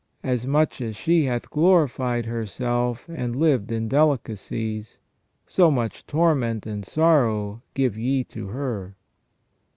... As much as she hath glorified herself, and lived in delicacies, so much torment and sorrow give ye to her."